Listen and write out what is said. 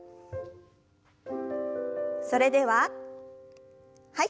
それでははい。